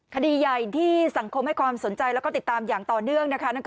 คดีใหญ่ที่สังคมให้ความสนใจแล้วก็ติดตามอย่างต่อเนื่องนะคะ